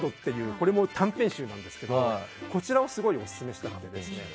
これも短編集なんですけどこちらをすごくオススメしたくて。